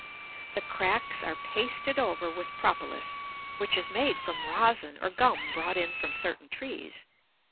The cracks are pasted over with propolis, which is made from resin or gum brought in from certain trees.